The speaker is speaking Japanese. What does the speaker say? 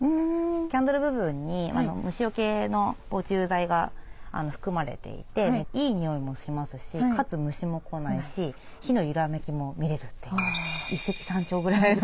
キャンドル部分に虫よけの防虫剤が含まれていていい匂いもしますしかつ虫も来ないし火の揺らめきも見れるという一石三鳥ぐらいの。